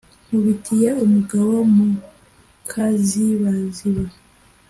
Nkubitiye umugabo mu kazibaziba,